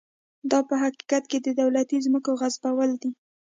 دا په حقیقت کې د دولتي ځمکو غصبول و.